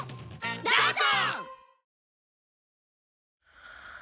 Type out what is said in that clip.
どうぞ！